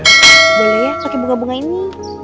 boleh ya pakai bunga bunga ini